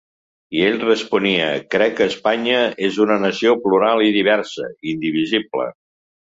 I ell responia: Crec que Espanya és una nació, plural i diversa, indivisible.